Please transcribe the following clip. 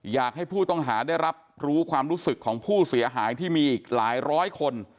อยากให้ผู้ต้องหาได้รับรู้ความรู้สึกของผู้เสียหายที่มีอีกหลายร้อยคน